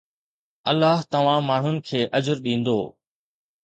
الله توهان ماڻهن کي اجر ڏيندو